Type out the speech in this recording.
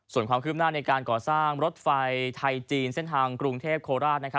ส่วนความคืบหน้าในการก่อสร้างรถไฟไทยจีนเส้นทางกรุงเทพโคราช